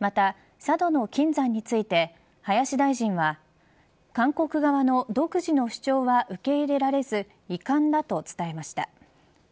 また佐渡島の金山について林大臣は韓国側の独自の主張は受け入れられず遺憾だと伝えました。